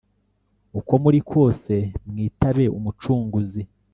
Uko muri kose mwitabe umucunguzi